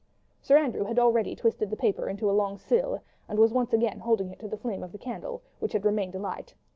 Sir Andrew had already twisted the paper into a long spill, and was once again holding it to the flame of the candle, which had remained alight.